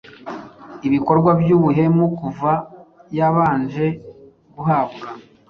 Ibikorwa byubuhemukuva yabanje guhabwa